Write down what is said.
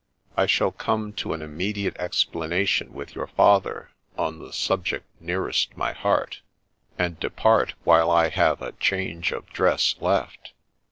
I shall come to an OF TAPP1NGTON 21 immediate explanation with your father on the subject nearest my heart, and depart while I have a change of dress left.